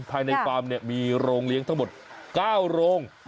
ภายในฟาร์มเนี่ยมีโรงเลี้ยงทั้งหมดเก้าโรง